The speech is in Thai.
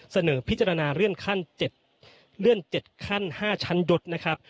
เสนอพิจารณาเลื่อน๗ขั้น๕ชั้นยดนะครับ